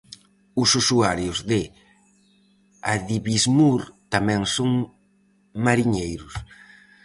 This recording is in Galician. Os usuarios de Adibismur tamén son mariñeiros.